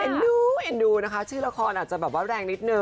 ดูเอ็นดูนะคะชื่อละครอาจจะแบบว่าแรงนิดนึ